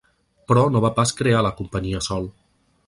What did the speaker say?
Però no va pas crear la companyia sol.